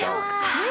はい。